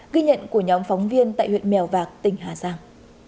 ghi nhận của nhóm phóng viên tại huyện mèo vạc tỉnh hà giang